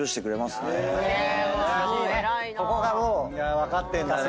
分かってんだね。